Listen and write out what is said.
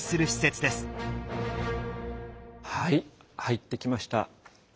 はい入ってきました。